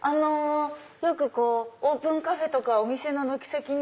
オープンカフェとかお店の軒先に。